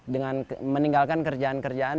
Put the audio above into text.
dengan meninggalkan kerjaan kerjaan